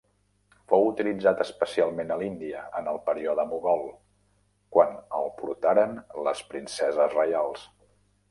Fou utilitzat especialment a l'Índia en el període mogol, quan el portaren les princeses reials.